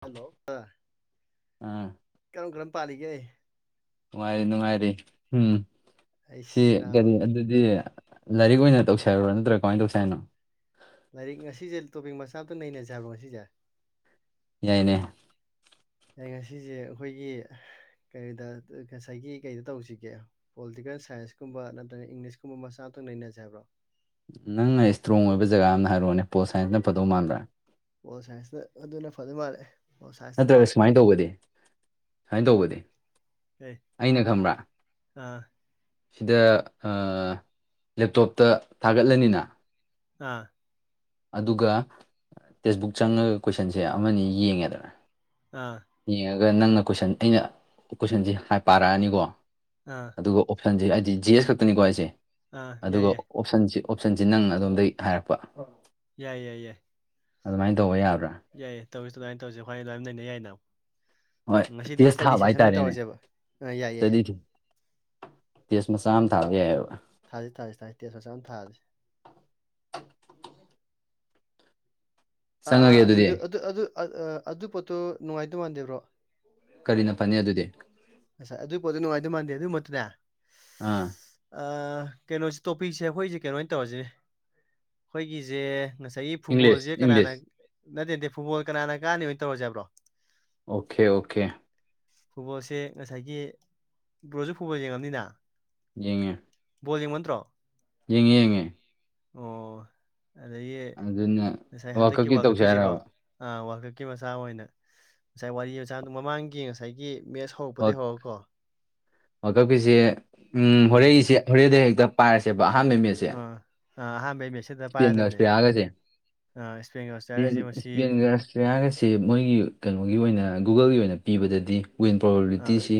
hello ꯑꯥ ꯀꯔꯝ ꯀꯔꯝ ꯄꯥꯜꯂꯤꯒꯦ ꯅꯨꯡꯉꯥꯏꯔꯤ ꯅꯨꯡꯉꯥꯏꯔꯤ ꯎꯝ ꯁꯤ ꯑꯩꯁ ꯅꯥꯕ ꯀꯔꯤ ꯑꯗꯨꯗꯤ ꯂꯥꯏꯔꯤꯛ ꯑꯣꯏꯅ ꯇꯧꯁꯦ ꯍꯥꯌꯕ꯭ꯔꯣ ꯅꯠꯇꯔ ꯀꯃꯥꯏꯅ ꯇꯧꯁꯦ ꯍꯥꯏꯅꯣ ꯂꯥꯏꯔꯤꯛ ꯉꯁꯤꯁꯦ ꯇꯣꯄꯤꯛ ꯃꯆꯥ ꯑꯃꯇ ꯅꯩꯅꯖꯦ ꯍꯥꯏꯕ꯭ꯔꯣ ꯉꯁꯤꯁꯦ ꯌꯥꯏꯅꯦ ꯑꯩ ꯉꯁꯤꯁꯦ ꯑꯩꯈꯣꯏꯒꯤ ꯀꯩꯗ ꯉꯁꯥꯏꯒꯤ ꯀꯩꯗ ꯇꯧꯁꯤꯒꯦ ꯄꯣꯂꯤꯇꯤꯀꯦꯜ ꯁꯥꯏꯟꯁꯀꯨꯝꯕ ꯅꯠꯇ꯭ꯔꯒ ꯏꯪꯂꯤꯁꯀꯨꯝꯕ ꯃꯆꯥ ꯅꯩꯅꯖꯦ ꯍꯥꯏꯕ꯭ꯔꯣ ꯅꯪꯅ ꯁꯇ꯭ꯔꯣꯡ ꯑꯣꯏꯕ ꯖꯒꯥ ꯑꯃ ꯍꯥꯏꯔꯛꯑꯣꯅꯦ ꯄꯣꯜ ꯁꯥꯏꯟꯁꯅ ꯐꯗꯧ ꯃꯥꯟꯕ꯭ꯔꯥ ꯄꯣꯜ ꯁꯥꯏꯟꯁꯅ ꯑꯗꯨꯅ ꯐꯗꯧ ꯃꯥꯜꯂꯦ ꯄꯣꯜ ꯁꯥꯏꯟꯁꯇꯀꯣ ꯅꯠꯇ꯭ꯔꯒ ꯁꯨꯃꯥꯏꯅ ꯇꯧꯕꯗꯤ ꯁꯨꯃꯥꯏꯅ ꯇꯧꯕꯗꯤ ꯑꯦ ꯑꯩꯅ ꯈꯪꯕ꯭ꯔꯥ ꯑꯥ ꯁꯤꯗ ꯂꯦꯞꯇꯣꯞꯇ ꯊꯥꯒꯠꯂꯅꯤꯅ ꯑ ꯑꯗꯨꯒ ꯇꯦꯛꯁꯕꯨꯛ ꯆꯪꯉꯒ ꯀꯣꯏꯁꯟꯁꯦ ꯑꯃꯅꯤ ꯌꯦꯡꯉꯦꯗꯅ ꯑꯥ ꯑꯗꯨꯒ ꯅꯪꯅ ꯀꯣꯏꯁꯟ ꯑꯩꯅ ꯀꯣꯏꯁꯟꯁꯤ ꯄꯥꯔꯛꯑꯅꯤꯀꯣ ꯑꯥ ꯑꯗꯨꯒ ꯑꯣꯞꯁꯟꯁꯦ ꯍꯥꯏꯗꯤ ꯖꯤ ꯑꯦꯁ ꯈꯛꯇꯅꯤꯀꯣ ꯍꯥꯏꯁꯦ ꯑꯥ ꯌꯥꯏ ꯑꯗꯨꯒ ꯌꯥꯏ ꯑꯣꯞꯁꯟꯁꯤꯦ ꯑꯣꯞꯁꯟꯁꯤꯦ ꯅꯪ ꯑꯗꯣꯝꯗꯒꯤꯩ ꯍꯥꯏꯔꯛꯄ ꯌꯥꯏ ꯌꯥꯏ ꯌꯥꯏ ꯑꯗꯨꯃꯥꯏꯅ ꯇꯧꯕ ꯌꯥꯔꯣꯏ ꯌꯥꯏꯌꯦ ꯇꯧꯔꯤꯁꯤ ꯑꯗꯨꯃꯥꯏꯅ ꯇꯧꯁꯁꯤ ꯈ꯭ꯋꯥꯏ ꯂꯃꯥꯏꯅ ꯅꯩꯅꯩ ꯌꯥꯏ ꯅ ꯍꯣꯏ ꯉꯁꯤꯗꯤ ꯇꯦꯁ ꯏꯁꯇꯗꯤ ꯊꯥꯕ ꯁꯦꯁꯟ ꯑꯣꯏꯅ ꯇꯧꯔꯁꯦꯕ ꯑ ꯌꯥꯏ ꯌꯥꯏ ꯌꯥꯏ ꯇꯁꯃ ꯁꯝ ꯊꯥꯕ ꯍꯥꯏ ꯊꯥꯁꯤ ꯊꯥꯁꯤ ꯊꯥꯏꯁꯤ ꯇꯦꯁ ꯃꯁ ꯑꯃ ꯊꯥꯖꯁꯤꯦ ꯑꯥ ꯆꯪꯉꯒꯦ ꯑꯗꯨꯗꯤ ꯑꯗꯨ ꯑꯗꯨ ꯑꯗꯨ ꯄꯣꯠꯇꯣ ꯅꯨꯡꯉꯥꯏꯗꯧ ꯃꯥꯟꯗꯦꯕ꯭ꯔꯣ ꯀꯔꯤꯅ ꯐꯅꯤ ꯑꯗꯨꯗꯤ ꯑꯁ ꯑꯗꯨꯒꯤ ꯄꯣꯠꯇꯣ ꯅꯨꯡꯉꯥꯏꯗꯧ ꯃꯥꯟꯗꯦ ꯑꯗꯨꯏ ꯃꯠꯇꯨꯅꯦ ꯑꯥ ꯀꯩꯅꯣꯁꯦ ꯇꯣꯄꯤꯛꯁꯦ ꯑꯩꯈꯣꯏꯁꯦ ꯀꯩꯅꯣ ꯑꯣꯏꯅ ꯇꯧꯔꯁꯤꯅꯦ ꯑꯩꯈꯣꯏꯒꯤꯁꯦ ꯉꯁꯥꯏꯒꯤ ꯏꯪꯂꯤꯁ ꯐꯨꯠꯕꯣꯜꯁꯦ ꯀꯅꯥꯅ ꯏꯪꯂꯤꯁ ꯅꯠꯇꯦꯠꯇꯦ ꯐꯨꯠꯕꯣꯜ ꯀꯅꯥꯅ ꯀꯥꯟꯅꯤ ꯑꯣꯏꯅ ꯇꯧꯔꯁꯕ꯭ꯔꯣ ꯑꯣꯀꯦ ꯑꯣꯀꯦ ꯐꯨꯕꯣꯜꯁꯦ ꯉꯁꯥꯏꯒꯤ ꯕ꯭ꯔꯣꯁꯨ ꯐꯨꯕꯣꯜ ꯌꯦꯡꯉꯕꯅꯤꯅ ꯌꯦꯡꯉ ꯣꯜꯡ ꯃꯟꯠꯇ꯭ꯔꯣ ꯌꯦꯡꯉꯦꯉꯦ ꯑꯣ ꯑꯗꯒꯤ ꯑꯗꯨꯅ ꯉꯁꯥꯏ ꯍꯟꯗꯛꯀꯤ ꯋꯥꯀꯞꯀꯤ ꯇꯧꯁꯦ ꯋꯥꯈꯠꯀꯨꯏꯁꯦꯀꯣ ꯍꯥꯏꯔꯕ ꯑꯥ ꯍꯥꯡꯀꯛꯀꯤ ꯃꯆꯥ ꯑꯣꯏꯅ ꯉꯁꯥꯏ ꯋꯥꯔꯤ ꯃꯆꯥꯗ ꯃꯃꯥꯡꯒꯤ ꯉꯁꯥꯏꯒꯤ ꯃꯦꯠꯁ ꯍꯧꯔꯛꯄꯗꯒꯤꯩ ꯍꯧꯔꯀꯣ ꯋꯥ ꯀꯞꯀꯤꯁꯤꯦ ꯎ ꯎꯝ ꯍꯣꯔꯦꯟꯁꯦ ꯍꯣꯔꯦꯟꯗꯩ ꯍꯦꯛꯇ ꯄꯥꯏꯔꯁꯦꯕ ꯑꯍꯥꯟꯕ ꯃꯦꯠꯁꯦ ꯑ ꯍꯥ ꯚ ꯏꯁꯄꯦꯟꯒꯁꯄꯒꯁꯦ ꯏꯁꯄꯦꯟꯒ ꯦꯟ ꯑꯣꯁꯇ꯭ꯔꯤꯌꯥꯒꯁꯦ ꯃꯁꯤ ꯏꯁꯄꯦꯟꯒ ꯑꯁꯇ꯭ꯔꯦꯂꯤꯌꯥꯒꯁꯦ ꯃꯣꯏꯒꯤ ꯀꯩꯅꯣꯒꯤ ꯑꯣꯏꯅ ꯒꯨꯒꯜꯒꯤ ꯑꯣꯏꯅ ꯄꯤꯕꯗꯗꯤ ꯋꯤꯟ ꯑꯥ ꯄ꯭ꯔꯣꯕꯕꯤꯂꯤꯇꯤꯁꯤ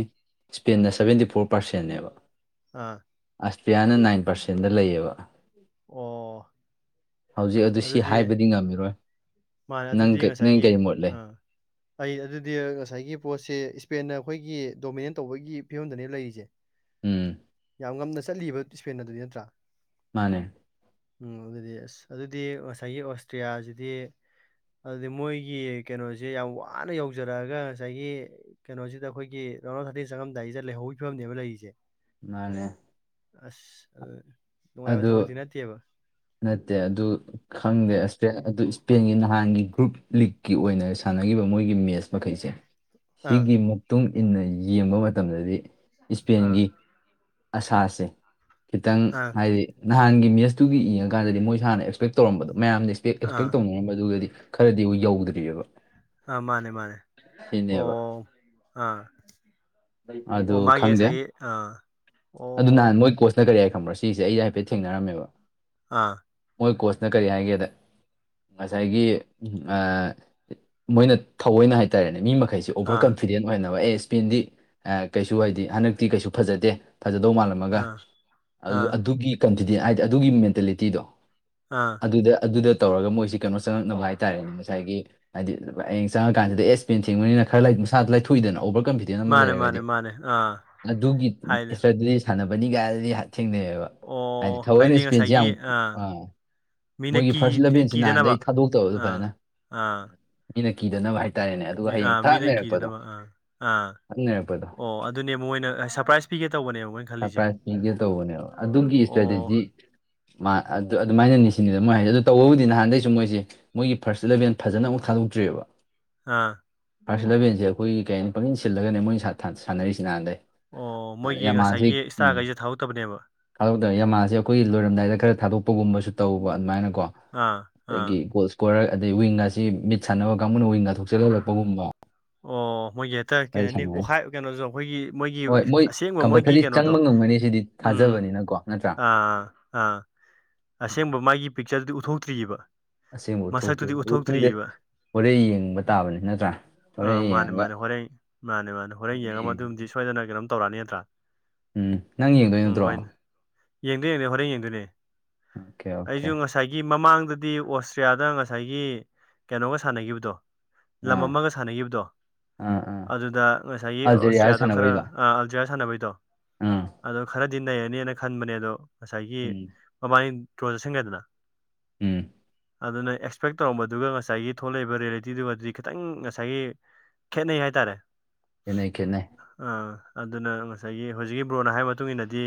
ꯏꯁꯄꯦꯟꯅ ꯁꯚꯦꯟꯇꯤ ꯐꯣꯔ ꯄꯥꯔꯁꯦꯟꯅꯦꯕ ꯑꯥ ꯑꯦꯁꯄꯤꯌꯥꯅ ꯅꯥꯏꯟ ꯄꯥꯔꯁꯦꯟꯗ ꯂꯩꯌꯦꯕ ꯑꯣ ꯍꯧꯖꯤꯛ ꯑꯗꯨ ꯁꯤ ꯑꯗꯨꯗꯤ ꯍꯥꯏꯕꯗꯤ ꯉꯝꯃꯤꯔꯣꯏ ꯃꯥꯅꯦ ꯅꯪ ꯑꯗꯨꯗꯤ ꯀ- ꯅꯪ ꯉꯁꯥꯏꯒꯤ ꯀꯔꯤ ꯃꯣꯠ ꯂꯩ ꯑꯥ ꯑꯩ ꯑꯗꯨꯗꯤ ꯉꯁꯥꯏꯒꯤ ꯄꯣꯠꯁꯦ ꯏꯁꯄꯦꯟꯅ ꯑꯩꯈꯣꯏꯒꯤ ꯗꯣꯃꯤꯅꯦꯠ ꯇꯧꯕꯒꯤ ꯐꯤꯕꯝꯗꯅꯦ ꯂꯩꯔꯤꯁꯦ ꯎꯝ ꯌꯥꯝ ꯉꯝꯅ ꯆꯠꯂꯤꯕ ꯏꯁꯄꯦꯟ ꯑꯗꯨꯗꯤ ꯅꯠꯇ꯭ꯔꯥ ꯃꯥꯅꯦ ꯎ ꯑꯗꯨꯗꯤ ꯑꯁ ꯑꯗꯨꯗꯤ ꯉꯁꯥꯏꯒꯤ ꯑꯣꯁꯇ꯭ꯔꯤꯌꯥꯁꯤꯗꯤ ꯑꯗꯨꯗꯤ ꯃꯣꯏꯒꯤ ꯀꯩꯅꯣꯁꯦ ꯌꯥꯝ ꯋꯥꯅ ꯌꯧꯖꯔꯛꯑꯒ ꯉꯁꯥꯏꯒꯤ ꯀꯩꯅꯣꯁꯤꯗ ꯑꯩꯈꯣꯏꯒꯤ ꯔꯥꯎꯅꯥ ꯊꯥꯇꯤꯟ ꯆꯪꯉꯝꯗꯥꯏꯁꯦ ꯂꯩꯍꯧꯕꯒꯤ ꯐꯤꯕꯅꯦꯕ ꯂꯩꯔꯤꯁꯦ ꯃꯥꯅꯦ ꯑꯁ ꯅꯨꯡꯉꯥꯏꯕ ꯑꯗ ꯊꯕꯛꯇꯤ ꯅꯠꯇꯦꯕ ꯅꯠꯇꯦ ꯑꯗꯨ ꯈꯪꯗꯦ ꯑ ꯎꯝ ꯑꯗꯨ ꯏꯁꯄꯦꯟꯒꯤ ꯅꯍꯥꯟꯒꯤ ꯒ꯭ꯔꯨꯞ ꯂꯤꯛꯀꯤ ꯑꯣꯏꯅ ꯁꯥꯟꯅꯈꯤꯕ ꯃꯣꯏꯒꯤ ꯃꯤ ꯃꯦꯁ ꯃꯈꯩꯁꯦ ꯑꯥ ꯁꯤꯒꯤ ꯃꯇꯨꯡ ꯏꯟꯅ ꯌꯦꯡꯕ ꯃꯇꯝꯗꯗꯤ ꯑꯥ ꯏꯁꯄꯦꯟꯒꯤ ꯑꯁꯥꯁꯦ ꯈꯤꯇꯪ ꯑꯥ ꯍꯥꯏꯗꯤ ꯅꯍꯥꯟꯒꯤ ꯃꯦꯠꯁꯇꯨꯒꯤ ꯏꯡꯉꯀꯥꯟꯗꯗꯤ ꯃꯣꯏꯁꯨ ꯍꯥꯟꯅ ꯑꯦꯛꯁꯄꯦꯛ ꯇꯧꯔꯝꯕꯗꯣ ꯃꯌꯥꯝꯅꯁꯦꯛ ꯑꯦꯛꯁꯄꯦꯛ ꯑꯥ ꯇꯧꯅꯔꯝꯕꯗꯨꯒꯗꯤ ꯈꯔꯗꯤꯕꯨ ꯌꯧꯗ꯭ꯔꯤꯑꯕ ꯑ ꯃꯥꯅꯦ ꯃꯥꯅꯦ ꯁꯤꯅꯦꯕ ꯑꯣ ꯑꯥ ꯑꯗꯨ ꯑꯣ ꯃꯥꯒꯤ ꯈꯪꯗꯦ ꯉꯁꯥꯏꯒꯤ ꯑꯥ ꯑꯗꯨ ꯑꯣ ꯅꯍꯥꯟ ꯃꯣꯏ ꯀꯣꯆꯅ ꯀꯔꯤ ꯍꯥꯏ ꯈꯪꯕ꯭ꯔꯥ ꯁꯤꯁꯦ ꯑꯩꯁ ꯍꯥꯏꯐꯦꯠ ꯊꯦꯡꯅꯔꯝꯃꯦꯕ ꯑꯥ ꯃꯣꯏ ꯀꯣꯆꯅ ꯀꯔꯤ ꯍꯥꯏꯒꯦꯗ ꯉꯁꯥꯏꯒꯤ ꯃꯣꯏꯅ ꯊꯑꯣꯏꯅ ꯍꯥꯏꯇꯥꯔꯦꯅꯦ ꯃꯤ ꯃꯈ ꯀꯩꯁꯦ ꯑꯣꯚꯔ ꯑꯥ ꯀꯟꯐꯤꯗꯦꯟ ꯑꯣꯏꯅꯕ ꯑꯦ ꯏꯁꯄꯤꯟꯗꯤ ꯀꯩꯁꯨ ꯍꯥꯏꯗꯤ ꯍꯟꯗꯛꯇꯤ ꯀꯩꯁꯨ ꯐꯖꯗꯦ ꯊꯥꯖꯗꯧ ꯃꯥꯜꯂꯝꯃꯒ ꯑꯥ ꯑꯗꯨ ꯑꯥ ꯑꯗꯨꯒꯤ ꯀꯟꯐꯤꯗꯦꯟ ꯍꯥꯏꯗꯤ ꯑꯗꯨꯒꯤ ꯃꯦꯟꯇꯦꯂꯤꯇꯤꯗꯣ ꯑꯥ ꯑꯗꯨꯗ ꯑꯗꯨꯗ ꯇꯧꯔꯒ ꯃꯣꯏꯁꯤ ꯀꯩꯅꯣ ꯆꯪꯉꯛꯅꯕ ꯍꯥꯏꯇꯥꯔꯦꯅꯦ ꯉꯁꯥꯏꯒꯤ ꯍꯥꯏꯗꯤ ꯍꯌꯦꯡ ꯆꯪꯉꯀꯥꯟꯁꯤꯗ ꯑꯦꯁ ꯄꯦꯟ ꯊꯤꯡꯕꯅꯤꯅ ꯈꯔ ꯃꯁꯥ ꯂ ꯂꯩꯊꯣꯛꯏꯗꯅ ꯑꯣꯚꯔ ꯀꯟꯐꯤꯗꯦꯟ ꯑꯃ ꯃꯥꯅꯦ ꯂꯩꯔꯒꯗꯤ ꯃꯥꯅꯦ ꯃꯥꯅꯦ ꯑꯥ ꯑꯗꯨꯒꯤ ꯍꯥꯏꯗꯤ ꯏꯁꯇ꯭ꯔꯦ ꯁꯥꯟꯅꯕꯅꯤꯒꯥꯏꯅꯗꯤ ꯊꯦꯡꯅꯩꯑꯌꯦꯕ ꯍꯥꯏꯗꯤ ꯊꯑꯣꯏꯅ ꯏꯁꯄꯦꯟꯁꯦ ꯌꯥꯝ ꯑꯥ ꯃꯤꯅ ꯃꯣꯏꯒꯤ ꯀꯤ ꯐꯥꯔꯁ ꯏꯂꯚꯦꯟꯁꯤ ꯀꯤꯗꯅꯕ ꯅꯍꯥꯟꯗꯒꯤꯩ ꯊꯥꯗꯣꯛꯇꯕ ꯑꯗꯨ ꯐꯖꯅ ꯑꯥ ꯑꯥ ꯃꯤꯅ ꯀꯤꯗꯅꯕ ꯍꯥꯏꯦ ꯃꯤ ꯑꯥ ꯃꯤꯅ ꯀꯤꯗꯅꯕ ꯑꯥ ꯑꯥ ꯊꯥꯛ ꯅꯩꯔꯛꯄꯗꯣ ꯑꯣ ꯑꯗꯨꯅꯦ ꯃꯣꯏꯅ ꯁꯔꯄ꯭ꯔꯥꯏꯁ ꯄꯤꯒꯦ ꯇꯧꯕꯅꯦꯕ ꯃꯣꯏ ꯁꯔꯄ꯭ꯔꯥꯏꯁ ꯄꯤꯒꯦ ꯇꯧꯕꯅꯦꯕ ꯑꯗꯨꯒꯤ ꯑꯣ ꯏꯁꯇ꯭ꯔꯦꯇꯦꯖꯤ ꯑꯗꯨ ꯑꯗꯨꯃꯥꯏꯅꯅꯤ ꯁꯤꯅꯤꯗ ꯃꯣꯏ ꯍꯥꯏꯁꯦ ꯑꯗꯨ ꯇꯧꯕꯕꯨꯗꯤ ꯅꯍꯥꯟꯗꯩꯁꯨ ꯃꯣꯏꯁꯦ ꯃꯒꯤ ꯐꯥꯔꯁꯂꯚꯦꯟ ꯐꯖꯅ ꯑꯃꯨꯛ ꯈꯪ ꯧꯗ꯭ꯔꯤꯑꯕ ꯍꯥꯥ ꯐꯥꯔꯁ ꯂꯂꯕꯦꯟꯁꯦ ꯑꯩꯈꯣꯏꯒꯤ ꯀꯩ ꯍꯥꯏꯅꯤ ꯄꯪꯁꯤꯟ ꯁꯤꯜꯂꯒꯅꯦ ꯃꯣꯏ ꯁꯥꯟꯅꯔꯤꯁꯤ ꯅꯍꯥꯟꯗꯩ ꯑꯣ ꯃꯣꯏꯒꯤ ꯉꯁꯥꯏ ꯍꯧ ꯎꯝ ꯈꯥꯎꯗ ꯃꯥ ꯁꯤ ꯑꯩꯈꯣꯏꯒꯤ ꯂꯣꯏꯔꯝꯗꯥꯏꯗ ꯈꯔ ꯊꯥꯗꯣꯛꯄꯒꯨꯝꯕꯁꯨ ꯇꯧꯕ ꯑꯗꯨꯃꯥꯏꯅꯀꯣ ꯑꯥ ꯑꯥ ꯑꯗꯒꯤ ꯒꯣꯜ ꯀꯣꯔꯛ ꯑꯗꯩ ꯋꯤꯡ ꯑꯁꯤ ꯃꯤꯠ ꯁꯥꯟꯅꯕ ꯀꯥꯡꯕꯨꯅ ꯋꯤꯡꯒ ꯊꯣꯛꯆꯜ ꯍꯜꯂꯛꯄꯒꯨꯝꯕ ꯑꯣ ꯃꯣꯏꯒꯤ ꯍꯦꯛꯇ ꯀꯩꯅ ꯍꯥꯏꯅꯤ ꯑꯣꯈꯥꯏ ꯀꯩꯅꯣꯁꯨꯣ ꯑꯩꯈꯣꯏꯒꯤ ꯃꯣꯏꯒꯤ ꯍꯣꯏ ꯃꯣꯏ ꯑꯁꯦꯡꯕ ꯃꯣꯏꯒꯤ ꯀꯝꯄꯜꯁꯔꯤ ꯀꯩꯅꯣꯗꯣ ꯆꯪꯕ ꯉꯝꯒꯅꯤ ꯁꯤꯗꯤ ꯎꯝ ꯎꯝ ꯊꯥꯖꯕꯅꯤꯅꯀꯣ ꯅꯠꯇ꯭ꯔꯥ ꯑꯥꯥ ꯑꯥ ꯑꯁꯦꯡꯕ ꯃꯥꯒꯤ ꯄꯤꯛꯆꯔꯗꯨꯗꯤ ꯎꯠꯊꯣꯛꯇ꯭ꯑꯔꯤꯕ ꯑꯁꯦꯡꯕ ꯎ ꯊꯣꯛꯇꯣꯏꯕ ꯑꯗꯨ ꯈꯪꯗꯦ ꯍꯣꯔꯦꯟ ꯌꯦꯡꯕ ꯇꯥꯕꯅꯤ ꯅꯠꯇ꯭ꯔꯥ ꯑꯥ ꯍꯣꯔꯦꯟ ꯃꯥꯅꯦ ꯌꯦꯡꯉꯒ ꯃꯥꯅꯦ ꯍꯣꯔꯦꯟ ꯃꯥꯅꯦ ꯃꯥꯅꯦ ꯍꯣꯔꯦꯟ ꯌꯦꯡꯉꯒ ꯑꯗꯨꯝꯗꯤ ꯁꯣꯏꯗꯅ ꯀꯩꯅꯣꯝ ꯇꯧꯔꯛꯑꯅꯤ ꯅꯠꯇ꯭ꯔꯥ ꯎꯝ ꯅꯪ ꯌꯦꯡꯗꯣꯏ ꯎꯝ ꯅꯠꯇ꯭ꯔꯣ ꯍꯣꯏꯅꯦ ꯌꯦꯡꯗꯣꯏ ꯌꯦꯡꯗꯣꯏ ꯍꯣꯔꯦꯟ ꯌꯦꯡꯗꯣꯏꯅꯦ ꯑꯣꯀꯦ ꯑꯣꯀꯦ ꯑꯩꯁꯨ ꯉꯁꯥꯏꯒꯤ ꯃꯃꯥꯡ ꯗꯗꯤ ꯑꯣꯁꯇ꯭ꯔꯤꯌꯥꯗ ꯉꯁꯥꯏꯒꯤ ꯀꯩꯅꯣꯒ ꯁꯥꯟꯅꯈꯤꯕꯗꯣ ꯂꯝ ꯑꯥ ꯑꯃꯒ ꯁꯥꯟꯅꯈꯤꯕꯗꯣ ꯗꯣ ꯑꯥ ꯑꯥ ꯑꯗꯨꯗ ꯉꯁꯥꯏꯒꯤ ꯑꯜꯖꯦꯔꯤꯌꯥꯒ ꯑꯣꯁꯇ꯭ꯔꯤꯌꯥꯗꯣ ꯈꯔ ꯁꯥꯟꯅꯕꯩꯗꯣ ꯑꯜꯗꯤꯔꯤꯌꯥ ꯁꯥꯟꯅꯕꯩꯗꯣ ꯑꯥ ꯑꯗꯣ ꯈꯔꯗꯤ ꯅꯩꯔꯅꯦꯅ ꯈꯟꯕꯅꯦ ꯑꯗꯣ ꯉꯁꯥꯏꯒꯤ ꯎꯝ ꯃꯃꯥꯡꯅꯤ ꯆꯣꯗꯁꯤꯡ ꯑꯦꯗꯅ ꯎꯝ ꯑꯗꯨꯅ ꯑꯦꯛꯁꯄꯦꯛ ꯇꯧꯔꯝꯕꯗꯨꯒ ꯉꯁꯥꯏꯒꯤ ꯊꯣꯛꯂꯛꯏꯕ ꯔꯤꯌꯦꯂꯤꯇꯤꯗꯨꯒꯗꯤ ꯈꯤꯇꯪ ꯉꯁꯥꯏꯒꯤ ꯈꯦꯠꯅꯩ ꯍꯥꯏꯇꯥꯔꯦ ꯏꯅꯦ ꯀꯅꯦ ꯑꯥ ꯑꯗꯨꯅ ꯉꯁꯥꯏꯒꯤ ꯍꯧꯖꯤꯛꯀꯤ ꯕ꯭ꯔꯣꯟꯅ ꯍꯥꯏꯕ ꯃꯇꯨꯡ ꯏꯟꯅꯗꯤ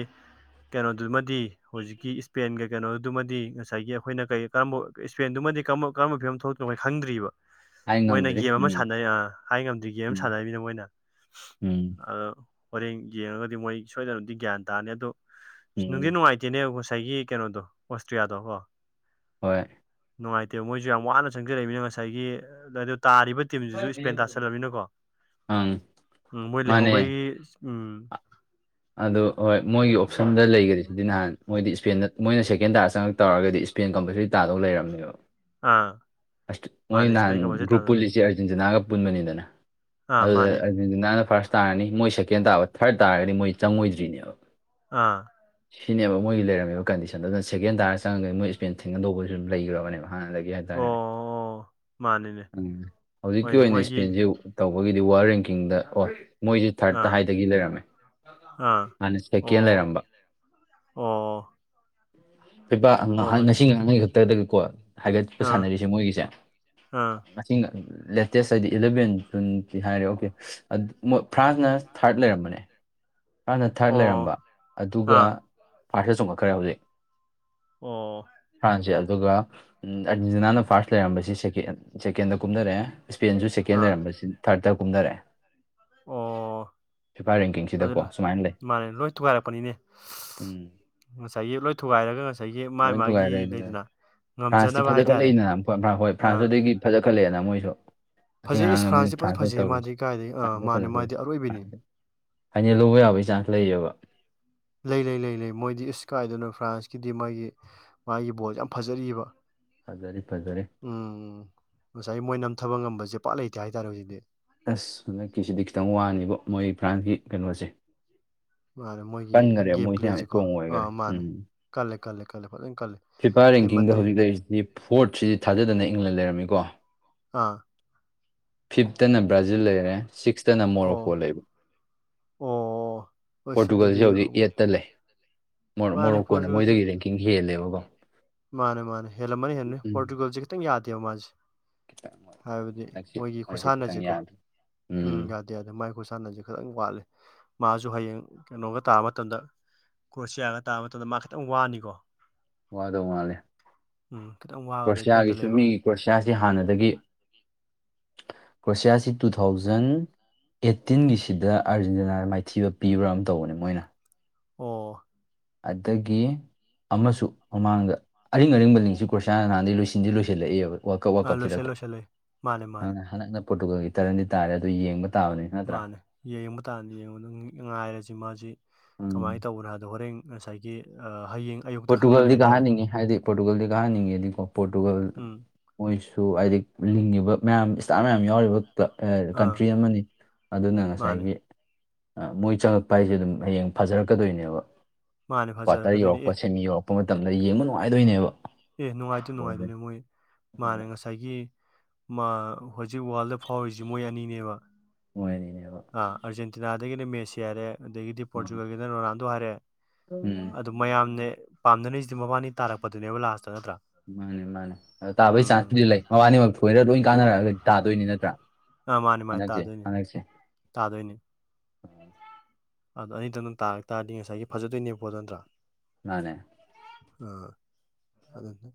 ꯀꯩꯅꯣꯗꯨꯃꯗꯤ ꯍꯧꯖꯤꯛꯀꯤ ꯏꯁꯄꯦꯟꯒ ꯀꯩꯅꯣꯗꯨꯃꯗꯤ ꯉꯁꯥꯏꯒꯤ ꯑꯩꯈꯣꯏꯅ ꯀꯔꯤ ꯀꯔꯝꯕ ꯏꯁꯄꯦꯟꯗꯨꯃ ꯀꯔꯝꯕ ꯐꯤꯕꯝ ꯊꯣꯛꯇꯅꯣ ꯑꯩꯈꯣꯏ ꯈꯪꯗ꯭ꯔꯤꯕ ꯍꯥꯏ ꯃꯣꯏꯅ ꯉꯝꯗ꯭ꯔꯤ ꯒꯦꯝ ꯑꯃ ꯎꯝ ꯁꯥꯟꯅꯩ ꯍꯥꯏ ꯉꯝꯗ꯭ꯔꯤꯒꯦ ꯑꯃ ꯎꯝ ꯁꯥꯟꯅꯅꯤꯅ ꯃꯣꯏꯅ ꯎꯝ ꯑꯗꯣ ꯍꯣꯔꯦꯡ ꯌꯦꯡꯉꯒꯗꯤ ꯃꯣꯏ ꯁꯣꯏꯗꯅꯗꯤ ꯒ꯭ꯌꯥꯟ ꯇꯥꯔꯅꯤ ꯑꯗꯣ ꯎꯝ ꯅꯨꯡꯗꯤ ꯅꯨꯡꯉꯥꯏꯇꯦꯅꯦꯕ ꯉꯁꯥꯏꯒꯤ ꯀꯩꯅꯣꯗꯣ ꯑꯣꯁꯇ꯭ꯔꯤꯌꯥꯗꯣ ꯀꯣ ꯍꯣꯏ ꯅꯨꯡꯉꯥꯏꯇꯦꯕ ꯃꯣꯏꯁꯨ ꯌꯥꯝ ꯋꯥꯅ ꯆꯪꯖꯔꯛꯏꯃꯤꯅꯤꯅ ꯉꯁꯥꯏꯒꯤ ꯑꯗꯨꯣ ꯇꯥꯔꯤꯕ ꯇꯤꯝꯁꯤꯁꯨ ꯆꯥꯁꯜꯂꯅꯤꯅꯀꯣ ꯑꯪ ꯎꯝ ꯃꯣꯏ ꯃꯥꯅꯦ ꯂꯩꯍꯧꯕꯒꯤ ꯎꯝ ꯑꯗꯨ ꯍꯣꯏ ꯃꯣꯏꯒꯤ ꯑꯣꯞꯁꯟꯗ ꯂꯩꯒꯔꯤ ꯁꯤꯗꯤ ꯅꯍꯥꯟ ꯃꯣꯏꯗꯤ ꯏꯁꯄꯦꯟꯗ ꯃꯣꯏꯅ ꯁꯦꯀꯦꯟ ꯇꯥ ꯆꯉꯛ ꯇꯧꯔꯒꯗꯤ ꯏꯁ꯭ꯄꯦꯟ ꯀꯝꯄꯜꯁꯔꯤ ꯇꯥꯗꯧ ꯂꯩꯔꯝꯅꯦꯕ ꯑꯥ ꯑꯁ ꯃꯣꯏ ꯃꯥꯅꯦ ꯅꯍꯥꯟ ꯏꯁꯄꯦꯟ ꯀꯞ ꯍꯧꯖꯤꯛ ꯒ꯭ꯔꯨꯞ ꯇꯥꯗꯣꯏꯅꯦ ꯄꯨꯜꯂꯤꯁꯦ ꯑꯔꯖꯦꯟꯇꯤꯅꯥꯒ ꯑꯄꯨꯟꯕꯅꯤꯗꯅ ꯑꯥ ꯑꯗꯨꯗ ꯃꯥꯅꯦ ꯑꯔꯖꯦꯟꯇꯤꯅꯥ ꯑꯅ ꯐꯥꯔꯁ ꯇꯥꯔꯅꯤ ꯃꯣꯏ ꯁꯦꯀꯦꯟ ꯇꯥꯕ ꯊꯥꯔꯠ ꯇꯥꯔꯗꯤ ꯃꯣꯏ ꯆꯪꯉꯣꯏꯗ꯭ꯔꯤꯅꯦꯕ ꯑꯥ ꯁꯤꯅꯦꯕ ꯃꯣꯏꯒꯤ ꯂꯩꯝꯃꯤꯕ ꯀꯟꯗꯤꯁꯟꯗꯨ ꯑꯗꯨꯅ ꯁꯦꯀꯦꯟ ꯇꯥꯔ ꯆꯪꯉꯒꯗꯤ ꯃꯣꯏ ꯏꯁꯄꯦꯟ ꯊꯦꯡꯒꯟꯗꯧꯕꯁꯨ ꯑꯗꯨ ꯂꯩꯈ꯭ꯔꯕꯅꯦꯕ ꯍꯥꯟꯅꯗꯒꯤ ꯑꯣ ꯍꯥꯏꯇꯥꯔꯦꯅꯦ ꯑꯣ ꯃꯥꯅꯤꯅꯦ ꯎꯝ ꯍꯧꯖꯤꯛꯀꯤ ꯍꯣꯏꯅꯦ ꯑꯣꯏꯅ ꯃꯣꯏꯒꯤ ꯏꯁꯄꯦꯟꯁꯤ ꯇꯧꯕꯒꯤ ꯋꯥꯔꯜ ꯔꯦꯡꯀꯤꯡꯗ ꯑꯣ ꯃꯣꯏꯁꯦ ꯊꯥꯔꯗ ꯑꯥ ꯍꯥꯏꯗꯒꯤ ꯂꯩꯔꯝꯃꯦ ꯑꯥ ꯍꯥꯟꯅ ꯁꯦꯀꯦꯟ ꯑꯣ ꯂꯩꯔꯝꯕ ꯑꯣ ꯐꯕ ꯑꯣ ꯍꯣꯏ ꯉꯁꯤ ꯉꯥꯡꯈꯩ ꯈꯛꯇꯗꯒꯤꯀꯣ ꯍꯥꯏꯒꯠꯄ ꯑꯥ ꯁꯥꯟꯅꯔꯤꯁꯦ ꯃꯣꯏꯒꯤꯁꯦ ꯑꯥ ꯉ ꯂꯦꯇꯦꯁ ꯍꯥꯏꯗꯤ ꯏꯂꯚꯦꯟ ꯇꯨꯇꯤ ꯍꯥꯏꯔꯦ ꯑꯣꯀꯦꯣꯏ ꯐ꯭ꯔꯥꯟꯁꯅ ꯊꯥꯔꯠ ꯂꯩꯔꯝꯕꯅꯦ ꯍꯥꯟꯅ ꯊꯥꯔꯠ ꯂꯩꯔꯝꯕ ꯑꯣ ꯑꯗꯨꯒ ꯑꯥ ꯐꯥꯔꯠꯇ ꯆꯨꯝꯉꯛꯈ꯭ꯔꯦ ꯍꯧꯖꯤꯛ ꯑꯣ ꯁꯦ ꯑꯗꯨꯒ ꯑꯥꯔꯖꯦꯟꯇꯤꯅꯥꯅ ꯐꯥꯔꯁ ꯂꯩꯔꯝꯕꯁꯤ ꯁꯦꯀꯦꯟꯗ ꯀꯨꯝꯅꯔꯛꯑꯦ ꯏꯁꯄꯦꯟꯁꯨ ꯁꯦꯀꯦꯟ ꯑꯥ ꯂꯩꯔꯝꯕꯕꯁꯤ ꯊꯥꯔꯠꯇ ꯀꯨꯝꯅꯔꯛꯑꯦ ꯑꯣ ꯐꯤꯐꯥꯏ ꯑꯗꯨ ꯔꯦꯡꯀꯤꯡꯁꯤꯗꯀꯣ ꯁꯨꯃꯥꯏꯅ ꯂꯩ ꯃꯥꯅꯦ ꯂꯣꯏ ꯇꯨꯒꯥꯏꯔꯛꯄꯅꯤꯅꯦ ꯎꯝ ꯉꯁꯥꯏꯒꯤ ꯂꯣꯏ ꯊꯨꯒꯥꯏꯔꯒ ꯉꯁꯥꯏꯒꯤ ꯃꯥꯥꯏ ꯂꯣꯏ ꯃꯥꯒꯤ ꯊꯨꯒꯥꯏꯔꯦ ꯑꯗꯨꯒ ꯂꯩꯗꯅ ꯐ꯭ꯔꯥꯟꯁꯇꯤ ꯉꯝꯖꯅꯕ ꯐꯖ ꯍꯥꯏꯇꯥꯔꯦ ꯈꯠꯂꯛꯗꯅꯣꯏ ꯍꯣꯏ ꯑꯥ ꯐ꯭ꯔꯥꯟꯁꯇꯨꯗꯒꯤ ꯐꯖ ꯈꯠꯂꯛꯑꯦꯅ ꯃꯣꯏꯁꯨ ꯑꯁꯤ ꯐꯖꯩ ꯏꯁ ꯉꯔꯥꯡꯗ ꯃꯣꯏꯅ ꯐ꯭ꯔꯥꯟꯁꯇꯤ ꯐꯖ ꯐ꯭ꯔꯥꯟꯁꯇ ꯐꯖꯩ ꯇꯧꯔꯤꯁꯦ ꯃꯥꯗꯤ ꯀꯥꯏꯗꯒꯤ ꯑꯥ ꯐ꯭ꯔꯥꯟꯁꯇ ꯃꯥꯅꯦ ꯐꯖ ꯃꯥꯗꯤ ꯐ ꯑꯔꯣꯏꯕꯤꯅꯤ ꯐ ꯍꯥꯏꯅ ꯂꯧꯕ ꯌꯥꯕꯒꯤ ꯆꯥꯟꯁ ꯂꯩꯌꯦꯕ ꯂꯩ ꯂꯩ ꯂꯩ ꯂꯩ ꯃꯣꯏꯗꯤ ꯏꯁ ꯀꯥꯏꯗꯅ ꯐ꯭ꯔꯥꯟꯁꯀꯤꯗꯤ ꯃꯥꯒꯤ ꯃꯥꯒꯤ ꯕꯣꯜꯁꯦ ꯌꯥꯝ ꯐꯖꯔꯤꯕ ꯐꯖꯔꯤ ꯐꯖꯔꯤ ꯎꯝ ꯉꯁꯥꯏ ꯃꯣꯏ ꯅꯝꯊꯕ ꯉꯝꯕꯁꯦ ꯄꯥꯛ ꯂꯩꯇꯦ ꯍꯥꯏꯇꯥꯔꯦ ꯍꯧꯖꯤꯛꯤ ꯑꯁ ꯍꯟꯗꯛꯀꯤꯁꯤꯗꯤ ꯈꯤꯇꯪ ꯋꯥꯅꯤꯕ ꯃꯣꯏ ꯐ꯭ꯔꯥꯟꯁꯀꯤ ꯀꯩꯅꯣꯁꯦ ꯃꯥꯅꯦ ꯃꯣꯏꯒꯤ ꯀꯟꯈꯔꯦ ꯒꯦꯝ ꯃꯣꯏꯁꯦ ꯌꯥꯝ ꯄ꯭ꯂꯦꯁꯤꯀꯣ ꯏꯁꯇꯣꯡ ꯑꯣꯏꯈꯔꯦ ꯑꯥ ꯃꯥꯅꯦ ꯎꯝ ꯀꯜꯂꯦ ꯀꯜꯂꯦ ꯀꯜꯂꯦ ꯐꯖꯅ ꯀꯜꯂꯦ ꯐꯤꯐꯥ ꯇꯤꯝ ꯔꯦꯡꯀꯤꯡꯗ ꯑꯇꯩ ꯍꯧꯖꯤꯛ ꯂꯩꯔꯤꯁꯤꯗꯤ ꯐꯣꯔꯠꯁꯤꯗꯤ ꯊꯥꯖꯗꯅ ꯏꯪꯂ ꯂꯩꯔꯝꯃꯤꯀꯣ ꯑꯥ ꯐꯤꯞꯇꯅ ꯕ꯭ꯔꯥꯖꯤꯜ ꯂꯩꯔꯦ ꯁꯤꯛꯁꯇꯅ ꯃꯣꯔꯣꯀꯣ ꯑꯣ ꯂꯩꯔꯦ ꯑꯣ ꯑꯁ ꯑꯗꯨꯗꯤ ꯄꯣꯔꯇꯨꯒꯜꯁꯤ ꯍꯧꯖꯤꯛ ꯌꯦꯠꯇ ꯂꯩ ꯃꯥꯅꯦ ꯃꯣꯔꯣꯛꯀꯣꯅ ꯄꯣꯔꯇꯨꯒꯜꯁꯦ ꯃꯣꯏꯗꯒꯤ ꯔꯦꯡꯀꯤꯡ ꯍꯦꯜꯂꯦꯕꯀꯣ ꯃꯥꯅꯦ ꯃꯥꯅꯦ ꯍꯦꯂꯅꯤ ꯍꯦꯔꯅꯤ ꯎꯝ ꯄꯣꯇꯨꯒꯜ ꯈꯈꯤꯇꯪ ꯌꯥꯗꯧ ꯃꯥꯁꯦ ꯈꯤꯇꯪ ꯃꯣꯏ ꯈꯤꯇꯪ ꯍꯥꯏꯕꯗꯤ ꯍꯟꯗꯛꯁꯤ ꯃꯣꯏꯒꯤ ꯃꯣꯏꯁꯦ ꯈꯤꯇꯪ ꯈꯨꯁꯥꯟꯅꯁꯤꯀꯣ ꯌꯥꯗ꯭ꯔꯦ ꯎꯝ ꯌꯥꯗꯦ ꯌꯥꯗꯦ ꯃꯥꯏ ꯈꯨꯣꯏꯠ ꯁꯥꯟꯅꯁꯦ ꯈꯤꯇꯪ ꯋꯥꯠꯂꯦ ꯃꯥꯁꯨ ꯍꯌꯦꯡ ꯀꯩꯅꯣꯒ ꯇꯥꯕ ꯃꯇꯝꯗ ꯀ꯭ꯔꯣꯁꯤꯌꯥꯒ ꯇꯥꯕ ꯃꯇꯝꯗ ꯃꯥ ꯈꯤꯇꯪ ꯋꯥꯅꯤꯀꯣ ꯋꯥꯗꯣ ꯃꯥꯂꯦ ꯎꯝ ꯈꯤꯇꯪ ꯋꯥꯒꯗꯕ ꯐꯤꯕꯝꯗ ꯀ꯭ꯔꯣꯁꯤꯌꯥꯒꯤꯁꯨ ꯂꯩꯕ ꯃꯤꯒꯤ ꯀ꯭ꯔꯣꯁꯤꯌꯥꯁꯤ ꯍꯥꯟꯅꯗꯒꯤ ꯀ꯭ꯔꯣꯁꯤꯌꯥꯁꯤ ꯇꯨ ꯊꯥꯎꯖꯟ ꯑꯦꯠꯇꯤꯟꯒꯤꯁꯤꯗ ꯑꯥꯔꯖꯦꯟꯇꯤꯅꯥꯗ ꯃꯥꯏꯊꯤꯕ ꯄꯤꯕ꯭ꯔꯥ ꯑꯃ ꯇꯧꯕꯅꯦ ꯃꯣꯏꯅ ꯑꯣ ꯑꯗꯒꯤ ꯑꯃꯁꯨ ꯃꯃꯥꯡꯗ ꯑꯔꯤꯡ ꯑꯔꯤꯡꯕ ꯂꯤꯡꯁꯨ ꯀ꯭ꯔꯁꯥ ꯅꯍꯥꯟꯗꯤ ꯂꯣꯏꯁꯤꯟꯗꯤ ꯂꯣꯏꯁꯤꯜꯂꯛꯏꯦꯕ ꯋꯥꯔꯜ ꯀꯞ ꯋꯥꯔꯜ ꯑꯥ ꯂꯣꯏꯁꯤꯜ ꯀꯞꯁꯤꯗꯀꯣ ꯂꯣꯏꯁꯤꯜꯂꯦ ꯃꯥꯅꯦ ꯃꯥꯅꯦ ꯑꯗꯨꯅ ꯍꯟꯗꯛꯅ ꯄꯣꯔꯇꯨꯒꯜꯒꯤ ꯇꯔꯟꯗꯤ ꯇꯥꯔꯦ ꯑꯗꯨ ꯌꯦꯡꯕ ꯇꯥꯕꯅꯤ ꯅꯠꯇ꯭ꯔꯥ ꯃꯥꯅꯦ ꯌꯦꯡꯕ ꯇꯥꯟꯗ ꯌꯦꯡꯕꯗ ꯉꯥꯏꯔꯁꯤ ꯃꯥꯁꯤ ꯎꯝ ꯀꯃꯥꯏꯅ ꯇꯧꯕꯅꯣ ꯍꯥꯏꯗꯣ ꯍꯣꯔꯦꯟ ꯉꯁꯥꯏꯒꯤ ꯍꯌꯦꯡ ꯑꯌꯨꯛꯇ ꯈꯪꯉꯅꯤ ꯄꯣꯔꯇꯨꯒꯜꯗꯤ ꯍꯥꯏꯇꯥꯔꯦ ꯀꯥꯍꯟꯅꯤꯡꯉꯤ ꯍꯥꯏꯗꯤ ꯄꯣꯔꯇꯨꯒꯜꯗꯤ ꯀꯥꯍꯟꯅꯤꯡꯉꯦꯗꯤꯀꯣ ꯄꯣꯔꯇꯨꯒꯜ ꯎꯝ ꯃꯣꯏꯁꯨ ꯁꯨ ꯍꯥꯏꯗꯤ ꯂꯤꯡꯉꯤꯕ ꯃꯌꯥꯝ ꯏꯁꯇꯥꯔ ꯃꯌꯥꯝ ꯌꯥꯎꯔꯤꯕ ꯑꯥ ꯀꯟꯇ꯭ꯔꯤ ꯑꯃꯅꯤ ꯑꯗꯨꯅ ꯃꯥꯅꯦ ꯉꯁꯥꯏꯒꯤ ꯑ ꯃꯣꯏ ꯆꯪꯉꯛꯄ ꯍꯥꯏꯁꯦ ꯑꯗꯨꯝ ꯍꯌꯦꯡ ꯐꯖꯔꯛꯀꯗꯣꯏꯅꯦꯕ ꯃꯥꯅꯦ ꯐꯖꯔꯛꯀꯗꯣꯏꯅꯦ ꯑꯦ ꯄꯣꯠꯁꯦꯟ ꯌꯧꯔꯛꯄ ꯃꯇꯝꯗ ꯌꯦꯡꯕ ꯅꯨꯡꯉꯥꯏꯗꯣꯏꯅꯦꯕ ꯑꯦ ꯅꯨꯡꯉꯥꯏꯇꯦ ꯕꯣꯜꯁꯦ ꯅꯨꯡꯉꯥꯏꯗꯣꯏꯅꯦ ꯃꯣꯏ ꯃꯥꯅ ꯑꯗꯨꯅ ꯉꯁꯥꯏꯒꯤ ꯃꯥ ꯍꯧꯖꯤꯛ ꯋꯥꯔꯜꯗ ꯐꯥꯎꯔꯤꯁꯤ ꯃꯣꯏ ꯑꯅꯤꯅꯦꯕ ꯃꯣꯏꯅꯤꯅꯦꯕ ꯑꯥꯔꯖꯦꯟꯇꯤꯅꯥꯗꯒꯤꯅ ꯃꯦꯁꯤ ꯍꯥꯏꯔꯦ ꯑꯗꯒꯤꯗꯤ ꯎꯝ ꯄꯣꯔꯇꯨꯒꯜꯒꯤꯅ ꯔꯣꯅꯥꯜꯗꯣ ꯍꯥꯏꯔꯦ ꯎꯝ ꯑꯗꯨ ꯃꯌꯥꯝꯅꯦ ꯄꯥꯝꯅꯅꯁꯤꯗꯤ ꯃꯕꯥꯅꯤ ꯇꯥꯔꯛꯄꯗꯨꯅꯦꯕ ꯂꯥꯁ ꯃꯥꯅꯦ ꯃꯥꯅꯦ ꯑ ꯇꯥꯕꯩ ꯎꯝ ꯆꯥꯟꯁꯇꯨꯗꯤ ꯂꯩ ꯃꯕꯥꯅꯤꯃꯛ ꯊꯣꯏꯔ ꯂꯣꯏ ꯀꯥꯟꯅꯔꯛꯑꯒ ꯇꯥꯗꯣꯏꯅꯤ ꯅꯠꯇ꯭ꯔꯥ ꯑꯥ ꯃꯥꯅꯤ ꯃꯥꯅꯤ ꯍꯟꯗꯛꯁꯦ ꯇꯥꯗꯣꯏꯅꯤ ꯍꯟꯗꯛꯁꯦ ꯇꯥꯗꯣꯏꯅꯤ ꯑꯗ ꯑꯅꯤꯗ ꯅꯪ ꯇꯥꯔꯛ ꯇꯥꯔꯗꯤ ꯉꯁꯥꯏꯒꯤ ꯐꯖꯗꯣꯏꯅꯦꯕꯀꯣꯠꯇ ꯅꯠꯇ꯭ꯔꯥ ꯑꯅꯦ ꯑꯥ ꯑꯗꯨ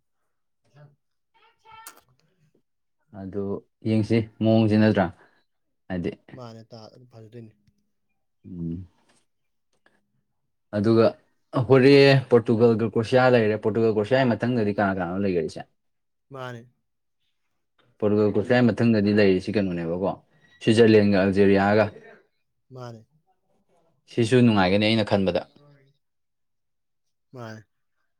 ꯑꯗꯨ ꯌꯦꯡꯁꯤ ꯃꯑꯣꯡꯁ ꯅꯠꯇ꯭ꯔꯥ ꯍꯥꯏꯗꯤ ꯃꯥꯅꯦ ꯐꯗꯣꯏꯅꯤ ꯎꯝ ꯑꯗꯨꯒ ꯍꯣꯔꯦ ꯄꯣꯔꯇꯨꯒꯜ ꯀ꯭ꯔꯣꯁꯤꯌꯥ ꯂꯩꯔꯦ ꯄꯣꯔꯇꯨꯒꯜ ꯀ꯭ꯔꯣꯁꯤꯌꯥꯒꯤ ꯃꯊꯪꯗꯗꯤ ꯀꯅꯥ ꯀꯅꯥꯣ ꯂꯩꯈꯔꯤꯁꯦ ꯃꯥꯅꯦ ꯄꯣꯔꯇꯨꯒꯜ ꯈꯨꯠꯁꯥꯏ ꯃꯊꯪꯗꯗꯤ ꯂꯩꯔꯤꯁꯤ ꯀꯩꯅꯣꯅꯦꯕꯀꯣ ꯁ꯭ꯋꯤꯠꯖꯔꯂꯦꯟꯒ ꯔꯤꯌꯥ ꯃꯥꯅꯦ ꯁꯤꯁꯨ ꯅꯨꯡꯉꯥꯏꯒꯅꯤ ꯑꯩꯅ ꯈꯟꯕꯗ [inaudible]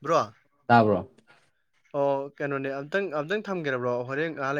ꯕꯣ ꯌꯥꯕ꯭ꯔꯣ ꯑꯣ ꯀꯩꯅꯣꯅꯦ ꯑꯝꯇꯪ ꯑꯝꯇꯪ ꯊꯝꯕꯤꯔꯕ꯭ꯔꯣ ꯍꯣꯔꯦꯟ ꯑꯍ ꯂꯩ